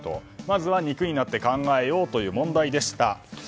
まずは肉になって考えようという問題でした。